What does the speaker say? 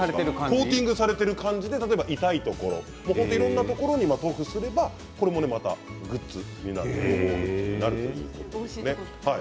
コーティングされている感じで痛いところ、いろんなところに塗布をすればいいということですね。